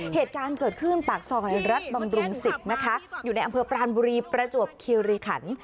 เหตุการณ์เกิดขึ้นปากซอยรัฐบำรุง๑๐นะคะอยู่ในอำเภอปรานบุรีประจวบคิริขัน